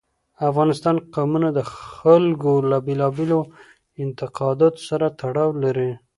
افغانستان کې قومونه د خلکو له بېلابېلو اعتقاداتو سره تړاو لري.